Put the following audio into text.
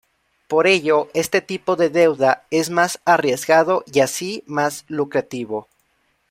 Por ello este tipo de deuda es más arriesgado y así más lucrativo.